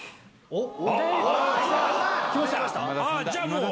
おっ！